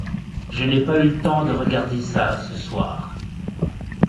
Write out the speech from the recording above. Je n’ai pas eu le temps de regarder ça ce soir.